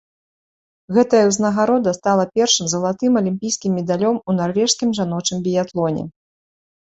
Гэтая ўзнагарода стала першым залатым алімпійскім медалём у нарвежскім жаночым біятлоне.